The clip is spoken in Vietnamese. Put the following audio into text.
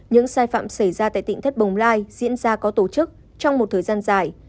những sai phạm xảy ra tại tỉnh thất bồng lai diễn ra có tổ chức trong một thời gian dài